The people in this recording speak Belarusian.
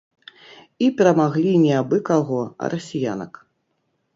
І перамаглі не абы-каго, а расіянак.